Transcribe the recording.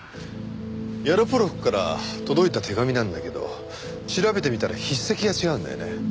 ヤロポロクから届いた手紙なんだけど調べてみたら筆跡が違うんだよね。